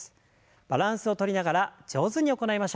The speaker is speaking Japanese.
バランスをとりながら上手に行いましょう。